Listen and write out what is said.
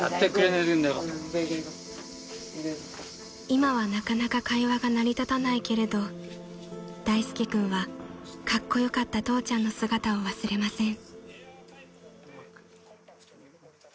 ［今はなかなか会話が成り立たないけれど大介君はカッコ良かった父ちゃんの姿を忘れません］